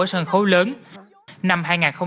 ở sân khấu lớn năm